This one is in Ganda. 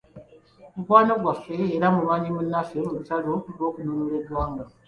Mukwano gwaffe era mulwanyi munnaffe mu lutalo lw’okununula ggwanga